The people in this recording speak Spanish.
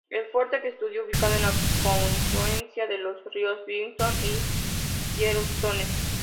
El fuerte, que estuvo ubicado en la confluencia de los ríos Bighorn y Yellowstone.